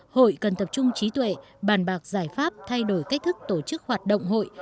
hội cần tập trung trí tuệ bàn bạc giải pháp thay đổi cách thức tổ chức hoạt động hội